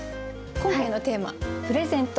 今回のテーマ「プレゼント」。